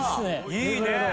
いいね！